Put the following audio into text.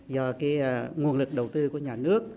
do nguồn lực đầu tư của nhà nước